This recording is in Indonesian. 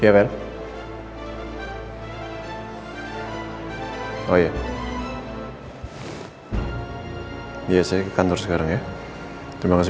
pagi ini gue harus kasih laporan ke bos